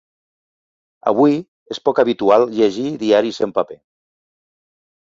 Avui és poc habitual llegir diaris en paper.